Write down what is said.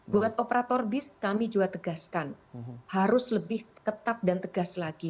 buat operator bis kami juga tegaskan harus lebih ketat dan tegas lagi